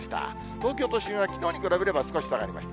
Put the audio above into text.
東京都心はきのうに比べれば、少し下がりました。